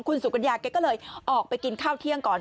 คุณสุกัญญาแกก็เลยออกไปกินข้าวเที่ยงก่อน